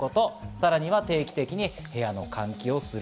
さらには定期的に部屋の換気をする。